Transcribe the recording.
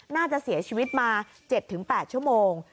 น่าจะเสียชีวิตมา๗๘ชั่วโมง